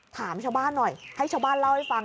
ถามชาวบ้านหน่อยให้ชาวบ้านเล่าให้ฟัง